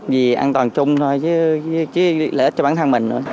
vì an toàn chung thôi chứ lợi ích cho bản thân mình nữa